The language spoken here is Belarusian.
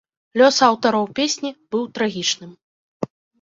Лёс аўтараў песні быў трагічным.